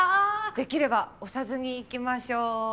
できればおさずにいきましょう。